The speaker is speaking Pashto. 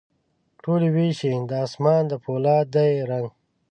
ټولي ویشي د اسمان د پولا دي رنګ،